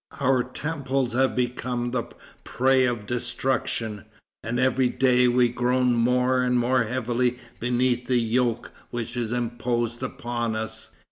Our temples have become the prey of destruction; and every day we groan more and more heavily beneath the yoke which is imposed upon us."